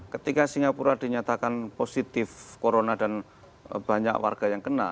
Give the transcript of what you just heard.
ketika singapura dinyatakan positif corona dan banyak warga yang kena